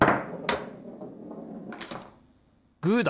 グーだ！